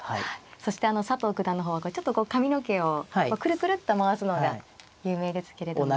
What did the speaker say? そして佐藤九段の方はちょっとこう髪の毛をくるくるっと回すのが有名ですけれども。